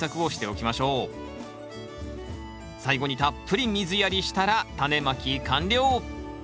最後にたっぷり水やりしたらタネまき完了！